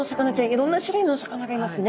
いろんな種類のお魚がいますね。